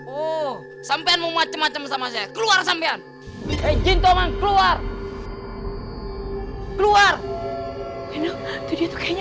oh sampai mau macem macem sama saya keluar sampai anejeng toman keluar keluar itu kayaknya